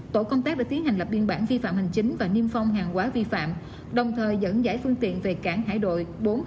tổ công tác đã tiến hành lập biên bản vi phạm hành chính và niêm phong hàng quá vi phạm đồng thời dẫn giải phương tiện về cảng hải đội bốn trăm bốn mươi một